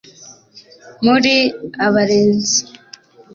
muri abarenzi